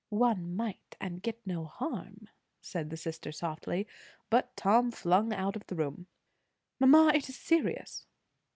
"One might, and get no harm," said the sister softly; but Tom flung out of the room. "Mamma, it is serious."